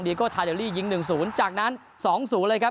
ดีโก้ทายเดอรี่ยิงหนึ่งศูนย์จากนั้นสองศูนย์เลยครับ